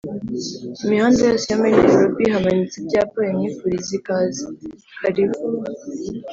Imihanda yose yo muri Nairobi hamanitse ibyapa bimwifuriza ikaze (Kalibu)